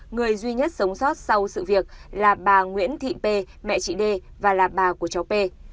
người duy nhất sống sót sau sự việc là bà nguyễn thị p mẹ chị đê và là bà của cháu p